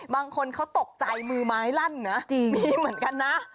บางคนเขาตกใจมือไม้ลั่นนะมีเหมือนกันนะ